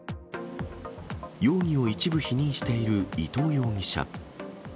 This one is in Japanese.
容疑を一部否認している伊藤容疑者。